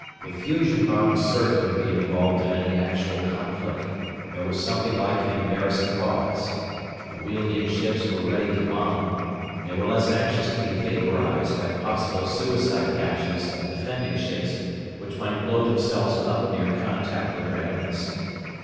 With fusion bombs certain to be involved in any actual conflict, there was something like an embarrassed pause. The Wealdian ships were ready to bomb. They were less anxious to be vaporized by possible suicide dashes of defending ships which might blow themselves up near contact with their enemies.